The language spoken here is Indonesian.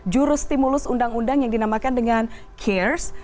jurus stimulus undang undang yang dinamakan dengan cares